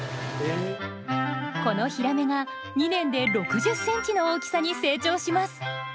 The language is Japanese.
このヒラメが２年で６０ｃｍの大きさに成長します。